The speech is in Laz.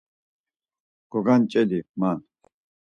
Goganç̌elii man?